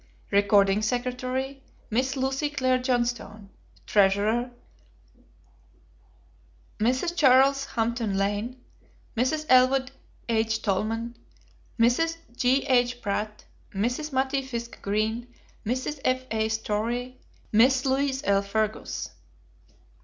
Recording Secretary. Miss Lucy Claire Johnstone. Treasurer. Mrs. Charles Hampton Lane. Mrs. Elwood H. Tolman. Mrs. J.H. Pratt. Mrs. Mattie Fisk Green. Mrs. F.A. Story. Miss Louise L. Fergus.